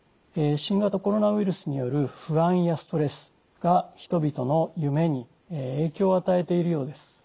新型コロナウイルスによる不安やストレスが人々の夢に影響を与えているようです。